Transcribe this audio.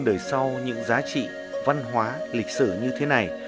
nếu muốn đời sau những giá trị văn hóa lịch sử như thế này